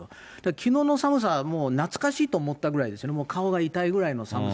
きのうの寒さは懐かしいと思ったぐらいですよね、もう顔が痛いぐらいの寒さ。